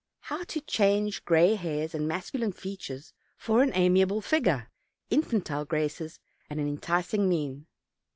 How to change gray hairs and masculine features for an amiable figure, infantine graces, and an enticing mien?